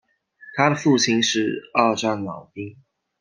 他的父亲是二战老兵。